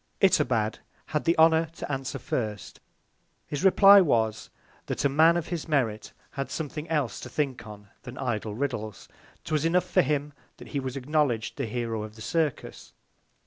Itobad had the Honour to answer first. His reply was, that a Man of his Merit had something else to think on, than idle Riddles; 'twas enough for him, that he was acknowledg'd the Hero of the Circus.